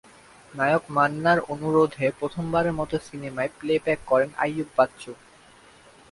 নায়ক মান্নার অনুরোধে প্রথমবারের মত সিনেমায় প্লেব্যাক করেন আইয়ুব বাচ্চু।